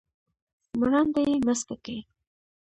مراندې يې مځکه کې ،